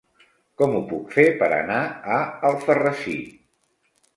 Com ho puc fer per anar a Alfarrasí?